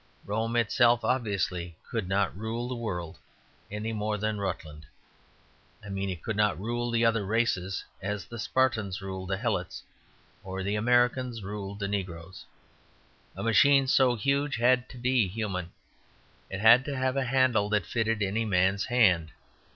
Rome itself obviously could not rule the world, any more than Rutland. I mean it could not rule the other races as the Spartans ruled the Helots or the Americans ruled the negroes. A machine so huge had to be human; it had to have a handle that fitted any man's hand.